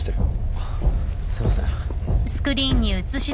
あっすいません。